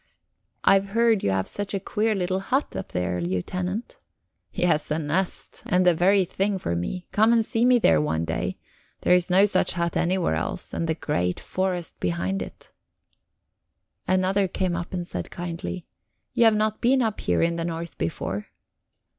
"I've heard you've such a queer little hut up there, Lieutenant?" "Yes, a nest. And the very thing for me. Come and see me there one day; there's no such hut anywhere else. And the great forest behind it." Another came up and said kindly: "You have not been up here in the north before?"